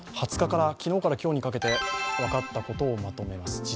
昨日から今日にかけて分かったことをまとめます。